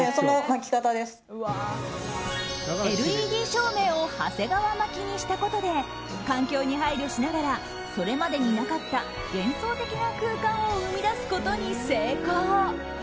ＬＥＤ照明を長谷川巻きにしたことで環境に配慮しながらそれまでになかった幻想的な空間を生み出すことに成功。